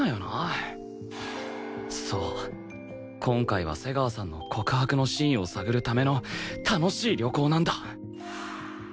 そう今回は瀬川さんの告白の真意を探るための楽しい旅行なんだ